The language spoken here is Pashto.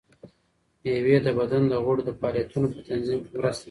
مېوې د بدن د غړو د فعالیتونو په تنظیم کې مرسته کوي.